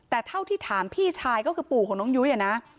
แต่เท่าที่ถามพี่ชายก็คือปู่ของน้องยุ้ยนะ